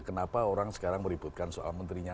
kenapa orang sekarang meributkan soal menterinya